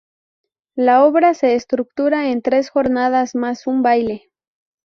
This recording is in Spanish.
La obra se estructura en tres jornadas más un baile.